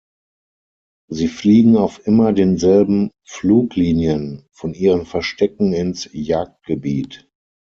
Sie fliegen auf immer denselben «Fluglinien» von ihren Verstecken ins Jagdgebiet.